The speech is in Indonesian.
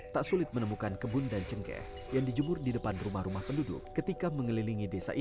tak sulit menemukan kebun dan cengkeh yang dijemur di depan desa purwodadi